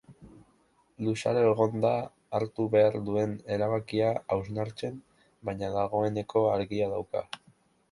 Luzaro egon da hartu behar duen erabakia hausnartzen, baina dagoeneko argi dauka.